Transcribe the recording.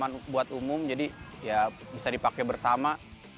ngerasa ini taman buat umum jadi ya bisa dipakai bersama